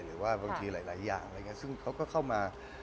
หรือว่าบางทีหลายอย่างซึ่งเขาก็เข้ามา